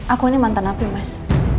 aku ini mantan api mas